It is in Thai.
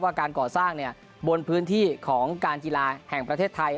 การก่อสร้างบนพื้นที่ของการกีฬาแห่งประเทศไทย